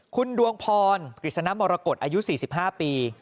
คุณดวงพรกฤษณมรกฏอายุ๔๕ปี